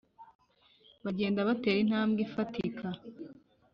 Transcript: bagenda batera intambwe ifatika